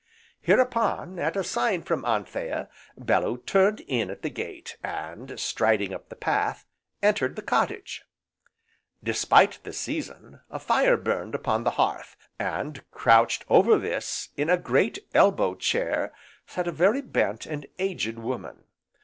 Hereupon, at a sign from Anthea, Bellew turned in at the gate, and striding up the path, entered the cottage. Despite the season, a fire burned upon the hearth, and crouched over this, in a great elbow chair, sat a very bent, and aged woman.